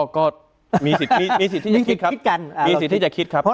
ก็มีสิทธิการคิดครับ